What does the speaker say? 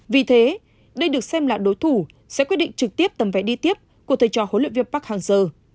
vì thế đây được xem là đối thủ sẽ quyết định trực tiếp tầm vé đi tiếp của thầy trò huấn luyện viên park hang seo